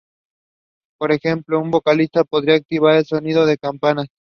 Por ejemplo, un vocalista podía activar el sonido de campanas.